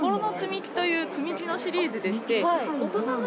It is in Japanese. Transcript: という積み木のシリーズでして。